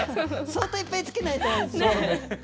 相当いっぱいつけないとですね。